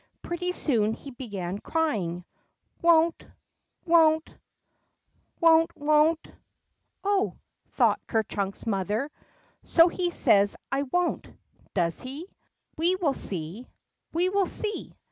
Pretty soon he began crying, Won't — won't ! Won't — won't !" Oh," thought Ker Chunk's mother, so he says won't,' does he? We will see, we will see